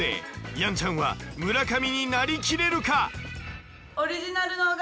やんちゃんは村上になりきれるか。